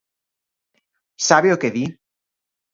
¿Sabe o que di?